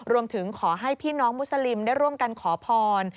รวมถึงขอให้พี่น้องมุสลิมได้ร่วมกันขอพร